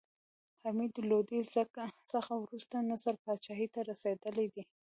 حمید لودي څخه وروسته نصر پاچاهي ته رسېدلى دﺉ.